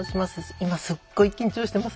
今すっごい緊張してます。